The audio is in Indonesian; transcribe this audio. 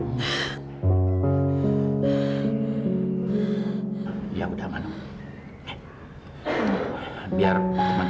oh istri saya mengenal kristi